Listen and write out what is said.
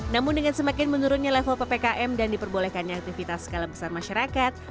namun dengan semakin menurunnya level ppkm dan diperbolehkannya aktivitas skala besar masyarakat